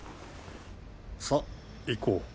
さあ行こう。